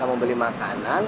kamu beli makanan